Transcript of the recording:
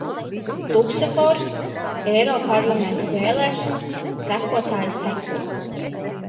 Luksofors, Eiroparlamenta vēlēšanas, sekotāji seko.